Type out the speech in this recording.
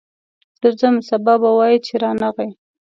درځم، سبا به وایې چې رانغی.